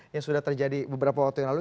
yang sudah terjadi beberapa waktu yang lalu